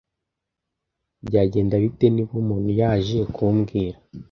byagenda bite niba umuntu yaje kumbwira